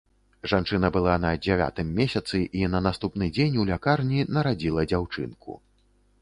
Жанчына была на дзявятым месяцы і на наступны дзень у лякарні нарадзіла дзяўчынку.